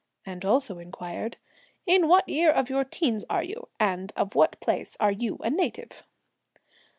and also inquired, "In what year of your teens are you? and of what place are you a native?"